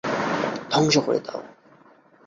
ধ্বংস করে দাও!